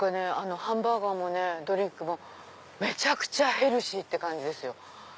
ハンバーガーもドリンクもめちゃくちゃヘルシーって感じですよ。